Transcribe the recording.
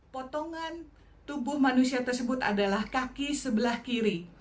potongan tubuh manusia tersebut adalah kaki sebelah kiri